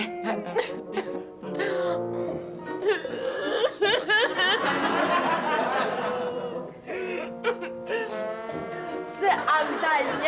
kamu perlu perhatian ya